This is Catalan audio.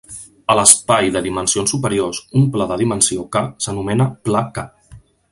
A l'espai de dimensions superiors, un pla de dimensió "k" s'anomena pla "k".